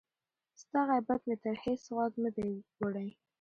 ستا غیبت مي تر هیڅ غوږه نه دی وړی